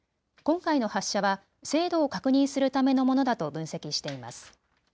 今回の発射は精度を確認するためのものだと分析しています。